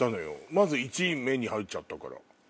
まず目に入っちゃったから。